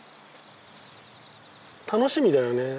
楽しみだよね。